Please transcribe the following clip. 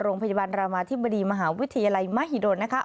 โรงพยาบาลรามาธิบดีมหาวิทยาลัยมหิดลนะคะ